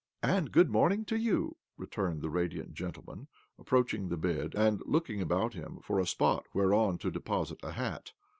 " And good morning to you," returned the radiant gentleman, approaching the bed and looking a,bout him for a spot whereon to deposit a hat.